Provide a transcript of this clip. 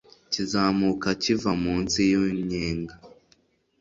kizamuka kiva munsi yu nyenga